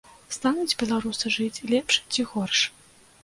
Стануць беларусы жыць лепш ці горш?